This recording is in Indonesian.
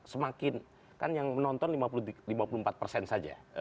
semakin kan yang menonton lima puluh empat persen saja